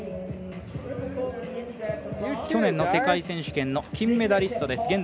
去年の世界選手権の金メダリストです。